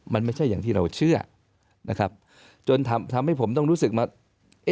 มันไม่ใช่อย่างที่เราเชื่อนะครับจนทำให้ผมต้องรู้สึกว่า